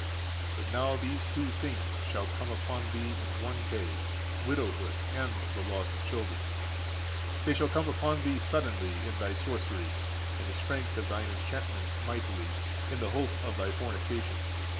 But now these two things shall come upon thee in one day, widowhood and the loss of children: they shall come upon thee suddenly in thy sorcery, in the strength of thine enchantments mightily, in the hope of thy fornication.